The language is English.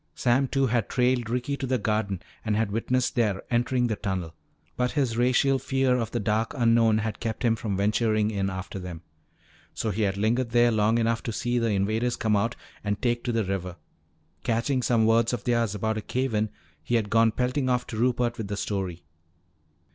Sam Two had trailed Ricky to the garden and had witnessed their entering the tunnel. But his racial fear of the dark unknown had kept him from venturing in after them. So he had lingered there long enough to see the invaders come out and take to the river. Catching some words of theirs about a cave in, he had gone pelting off to Rupert with the story.